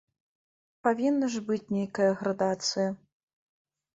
Павінна ж быць нейкая градацыя.